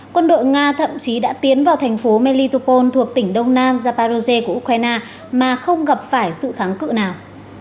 quân đội nga thậm chí đã tiến vào thành phố melitopol thuộc tỉnh đông nam japaroge của ukraine mà không gặp phải sự kháng cự nào